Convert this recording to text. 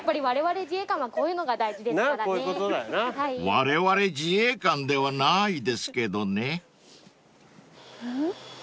［われわれ自衛官ではないですけどね］